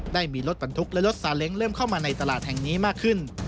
ได้มีรถบรรทุกและรถซาเล้งเริ่มเข้ามาในตลาดแห่งนี้มากขึ้น